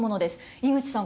井口さん